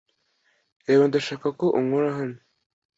Reba, ndashaka ko unkura hano